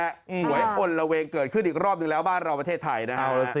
หัวให้อ่นระเวงเกิดขึ้นอีกรอบหนึ่งแล้วบ้านเราประเทศไทยนะฮะ